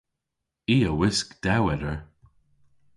I a wisk dewweder.